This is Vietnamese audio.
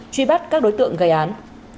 truy bắt các đối tượng gây án